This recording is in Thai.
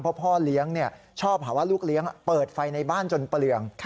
เพราะพ่อเลี้ยงชอบหาว่าลูกเลี้ยงเปิดไฟในบ้านจนเปลือง